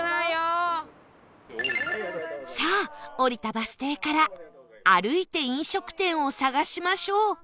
さあ降りたバス停から歩いて飲食店を探しましょう